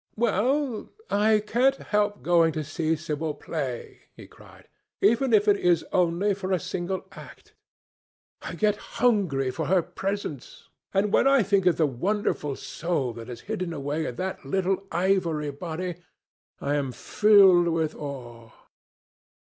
"Well, I can't help going to see Sibyl play," he cried, "even if it is only for a single act. I get hungry for her presence; and when I think of the wonderful soul that is hidden away in that little ivory body, I am filled with awe."